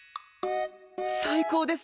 最高ですね